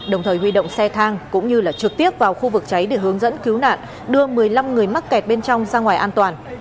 đồng thời huy động xe thang cũng như trực tiếp vào khu vực cháy để hướng dẫn cứu nạn đưa một mươi năm người mắc kẹt bên trong ra ngoài an toàn